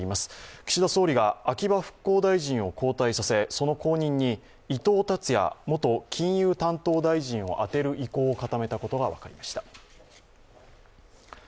岸田総理が秋葉復興大臣を交代させその後任に伊藤達也元金融担当大臣を充てる意向を固めたことが分かりました。